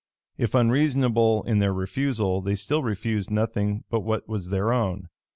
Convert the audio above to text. If unreasonable in their refusal, they still refused nothing but what was their own.